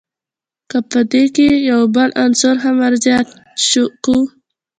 که په دې کښي یو بل عنصر هم ور زیات کو.